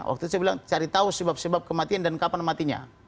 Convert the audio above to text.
waktu itu saya bilang cari tahu sebab sebab kematian dan kapan matinya